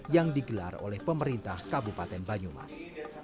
yang digelar oleh pemerintah kabupaten banyumas